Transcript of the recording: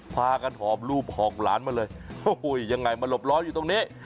พากันหอบรูปหอบหลานมาเลยโอ้โหยังไงมาหลบร้อนอยู่ตรงนี้